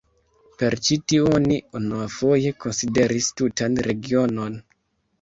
Per ĉi tiu oni unuafoje konsideris tutan regionon.